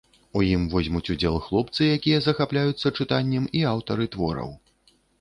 У ім возьмуць удзел хлопцы, якія захапляюцца чытаннем, і аўтары твораў.